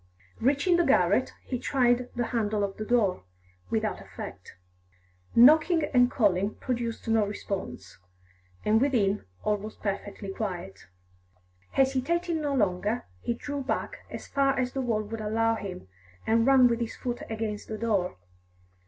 Reaching the garret, he tried the handle of the door, without effect. Knocking and calling produced no response, and within all was perfectly quiet. Hesitating no longer, he drew back as far as the wall would allow him, and ran with his foot against the door.